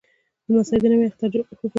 لمسی د نوي اختر جامې خوښوي.